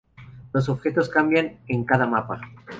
Los objetivos cambian en cada mapa.